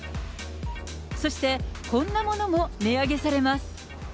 そして、こんなものも値上げされます。